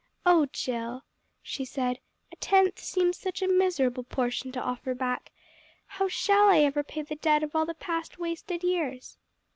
"Oh, Jill," she said, "a tenth seems such a miserable portion to offer back. How shall I ever pay the debt of all the past wasted years?"